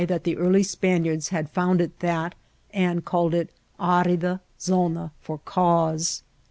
that the early Spaniards had found it that and called it arida zona for cause.